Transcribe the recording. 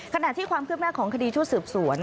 ขณะที่ความคืบหน้าของคดีชุดสืบสวน